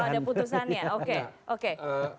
ada putusan ya oke